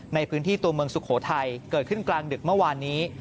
ในพื้นที่ตัวเมืองสุโขทัยเกิดขึ้นกลางดึกเมื่อวานนี้